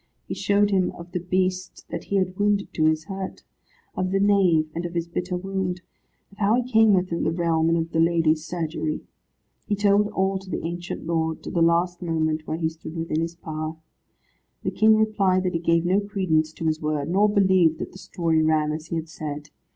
He showed him of the Beast that he had wounded to his hurt; of the nave, and of his bitter wound; of how he came within the realm, and of the lady's surgery. He told all to the ancient lord, to the last moment when he stood within his power. The King replied that he gave no credence to his word, nor believed that the story ran as he had said.